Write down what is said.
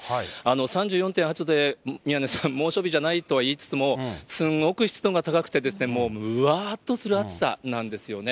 ３４．８度で宮根さん、猛暑日ではないと言いつつも、すんごく湿度が高くて、もうむわーっとする暑さなんですよね。